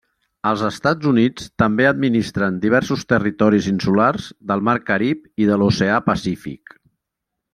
Els Estats Units també administren diversos territoris insulars del mar Carib i de l'oceà Pacífic.